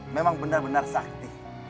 memang benar benar sakti